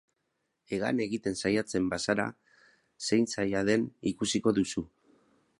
Hegan egiten saiatzen bazara, zein zaila den ikusiko duzu.